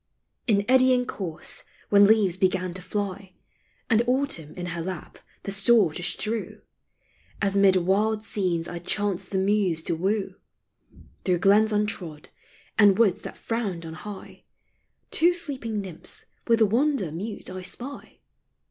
* In eddying course when leaves began to fly, And Autumn in her lap the store to strew, As mid wild scenes I chanced the Muse to woo, Through glens untrod, and woods that frowned on high, Two sleeping nymphs with wonder mute I spy